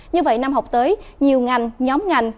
như vậy năm học tới nhiều ngành nhóm ngành